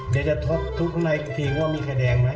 เดี๋ยวจะทดทุกข้างในนี้ว่ามีไข่แดงไหม